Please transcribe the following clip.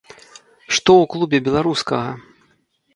Што ў клубе беларускага?